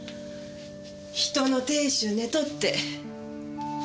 人の亭主寝取って。